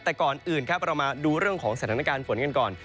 แต่ก่อนอื่นครับเรามาดูเรื่องของสถานการณ์ฝนกันก่อน